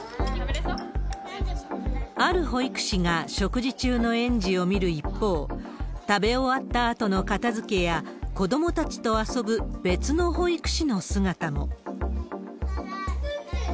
ある保育士が食事中の園児を見る一方、食べ終わったあとの片づけや、子どもたちと遊ぶ別の保育士の姿も。